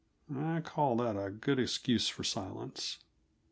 I call that a good excuse for silence.